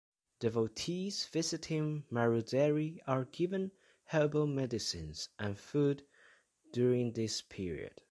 Devotees visiting Maruderi are given Herbal medicine and food during this period.